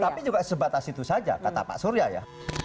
tapi juga sebatas itu saja kata pak surya ya